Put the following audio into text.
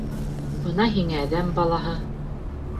Бына һиңә әҙәм балаһы!